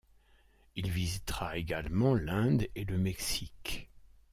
Il visitera également l'Inde et le Mexique.